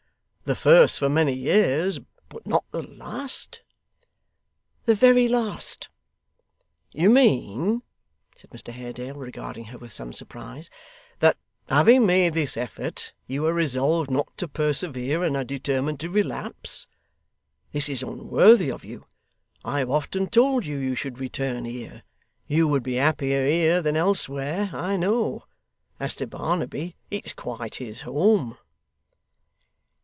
'The first for many years, but not the last?' 'The very last.' 'You mean,' said Mr Haredale, regarding her with some surprise, 'that having made this effort, you are resolved not to persevere and are determined to relapse? This is unworthy of you. I have often told you, you should return here. You would be happier here than elsewhere, I know. As to Barnaby, it's quite his home.